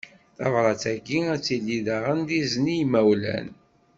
Tabrat-agi ad tili daɣen d izen i yimawlan.